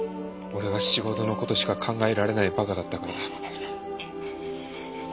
俺が仕事の事しか考えられないバカだったからだ」。